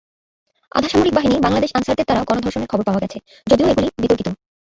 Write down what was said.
আধা সামরিক বাহিনী বাংলাদেশ আনসারদের দ্বারা গণ-ধর্ষণের খবর পাওয়া গেছে, যদিও এগুলি বিতর্কিত।